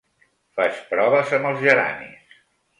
Faig proves amb els geranis.